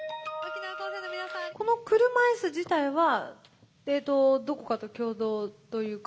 この車いす自体はどこかと共同というか。